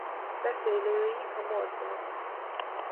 Beszélői a mordvinok.